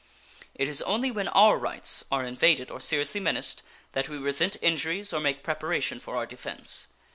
It is only when our rights are invaded or seriously menaced that we resent injuries or make preparation for our defense.